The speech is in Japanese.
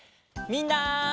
みんな！